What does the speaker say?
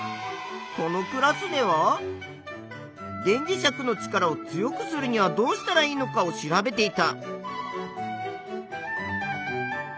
このクラスでは電磁石の力を強くするにはどうしたらいいのかを調べていた。